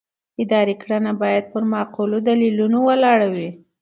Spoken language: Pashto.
اداري کړنه باید پر معقولو دلیلونو ولاړه وي.